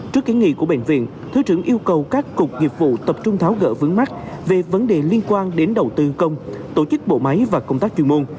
trước ký nghị của bệnh viện thứ trưởng yêu cầu các cục nghiệp vụ tập trung tháo gỡ vướng mắt về vấn đề liên quan đến đầu tư công tổ chức bộ máy và công tác chuyên môn